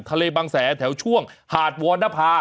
บางแสแถวช่วงหาดวรรณภา